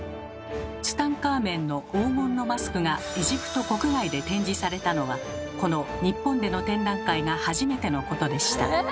ツタンカーメンの「黄金のマスク」がエジプト国外で展示されたのはこの日本での展覧会が初めてのことでした。